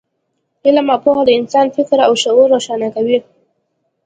علم او پوهه د انسان فکر او شعور روښانه کوي.